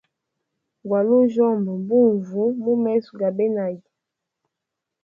Gwali ujyomba bunvu mu meso gabenage.